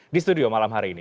di studio malam hari ini